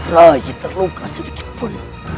rai terluka sedikitpun